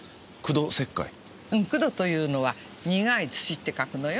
うん「クド」というのは「苦い土」って書くのよ。